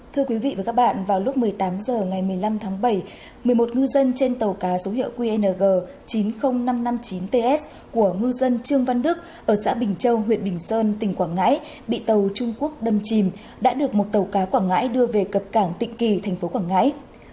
thưa quý vị và các bạn vào lúc một mươi tám h ngày một mươi năm tháng bảy một mươi một ngư dân trên tàu cá số hiệu qng chín mươi nghìn năm trăm năm mươi chín ts của ngư dân trương văn đức ở xã bình châu huyện bình sơn tỉnh quảng ngãi bị tàu trung quốc đâm chìm đã được một tàu cá quảng ngãi đưa về cập cảng tịnh kỳ tp quảng ngãi